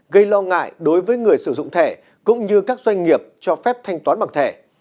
gây lo ngại đối với người sử dụng thẻ cũng như các doanh nghiệp cho phép thanh toán bằng thẻ